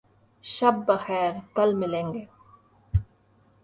شب بخیر. کل ملیں گے